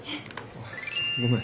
あっごめん。